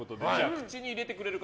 口に入れてくれる方